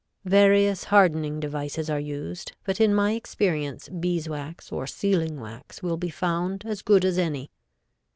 Various hardening devices are used, but in my experience beeswax or sealing wax will be found as good as any.